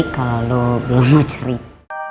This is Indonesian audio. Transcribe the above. kalo lo belum mau cerit